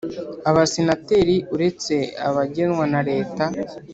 Abasenateri uretse abagenwa na leta